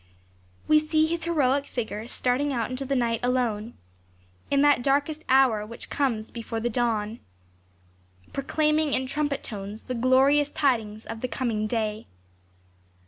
We see his heroic figure starting out into the night alone, in that darkest hour which comes before dawn, proclaiming in trumpet tones the glorious tidings of the coming day.